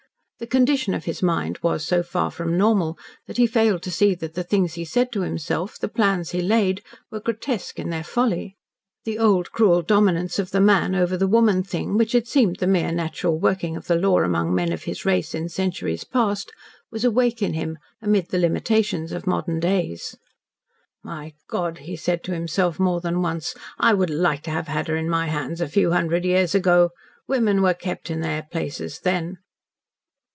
The condition of his mind was so far from normal that he failed to see that the things he said to himself, the plans he laid, were grotesque in their folly. The old cruel dominance of the man over the woman thing, which had seemed the mere natural working of the law among men of his race in centuries past, was awake in him, amid the limitations of modern days. "My God," he said to himself more than once, "I would like to have had her in my hands a few hundred years ago. Women were kept in their places, then."